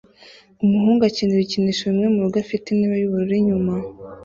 Umuhungu akina ibikinisho bimwe murugo afite intebe yubururu inyuma